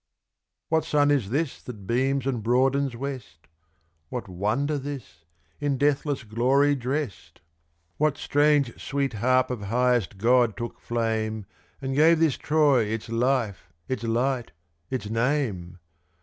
What sun is this that beams and broadens west? What wonder this, in deathless glory dressed? What strange, sweet harp of highest god took flame And gave this Troy its life, its light, its name?